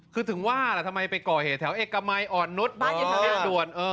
คือถึงว่าล่ะทำไมไปก่อเหตุแถวเอกมัยอ่อนนุษย์หน้าด่วน